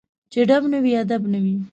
چي ډب نه وي ، ادب نه وي